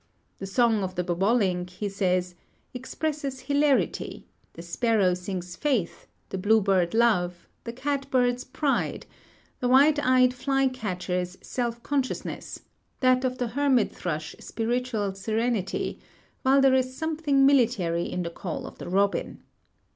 "The song of the bobolink," he says, "expresses hilarity; the sparrow sings faith, the bluebird love, the catbirds pride, the white eyed fly catchers self consciousness, that of the hermit thrush spiritual serenity, while there is something military in the call of the robin."